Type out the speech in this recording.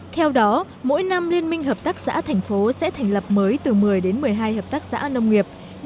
theo đó mỗi năm liên minh hợp tác xã thành phố sẽ thành lập mới từ một mươi đến một mươi hai hợp tác xã nông nghiệp